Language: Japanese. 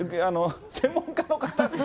専門家の方。